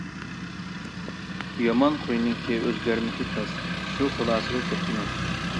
يامان خۇينىڭ ئۆزگەرمىكى تەس، شۇ خۇلاسىگە كەپتىمەن.